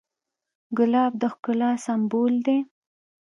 ګلاب د ښکلا سمبول دی.